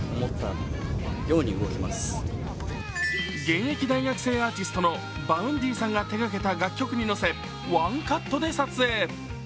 現役大学生アーティストのＶａｕｎｄｙさんが手がけた楽曲に乗せワンカットで撮影。